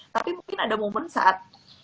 tapi mungkin ada momen saat